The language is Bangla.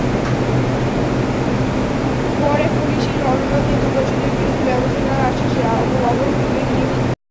পরে পুলিশের অনুরোধ এবং দোষীদের বিরুদ্ধে ব্যবস্থা নেওয়ার আশ্বাসে অবরোধ তুলে নিয়েছি।